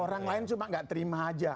orang lain cuma tidak terima saja